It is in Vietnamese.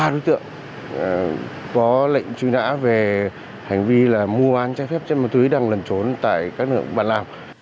ba đối tượng có lệnh truy nã về hành vi mua bán trái phép chất ma túy đang lần trốn tại các nơi bắc lào